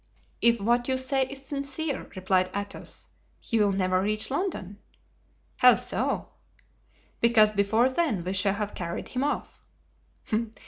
"If what you say is sincere," replied Athos, "he will never reach London." "How so?" "Because before then we shall have carried him off."